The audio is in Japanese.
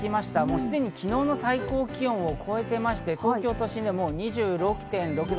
すでに昨日の最高気温を超えていまして、東京都心でもう２６．６度。